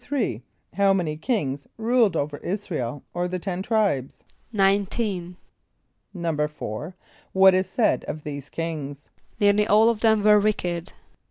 = How many kings ruled over [)I][s+]´ra el or the Ten Tribes? =Nineteen.= =4.= What is said of these kings? =Nearly all of them were wicked.